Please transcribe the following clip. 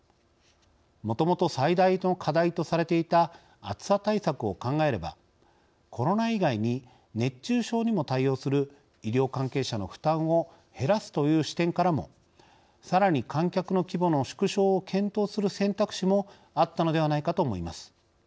もともと最大の課題とされていた暑さ対策を考えればコロナ以外に熱中症にも対応する医療関係者の負担を減らすという視点からもさらに観客の規模の縮小を検討する選択肢もあったのではないかと思います。